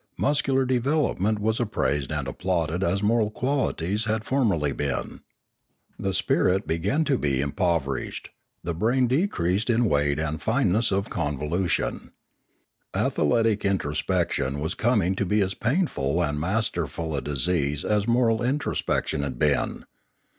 Muscular development was appraised and applauded as moral qualities had formerly been. The spirit began to be 560 Limanora impoverished; the brain decreased in weight and fine ness of convolution. Athletic introspection was coming to be as painful and masterful a disease as moral intro spection had been.